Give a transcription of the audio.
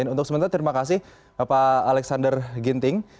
untuk sementara terima kasih bapak alexander ginting